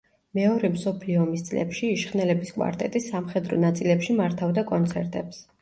მეორე მსოფლიო ომის წლებში იშხნელების კვარტეტი სამხედრო ნაწილებში მართავდა კონცერტებს.